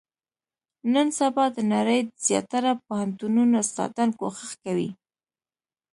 نن سبا، د نړۍ د زیاتره پوهنتونو استادان، کوښښ کوي.